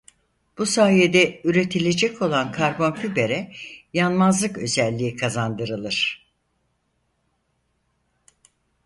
Bu sayede üretilecek olan Karbon Fiber'e yanmazlık özelliği kazandırılır.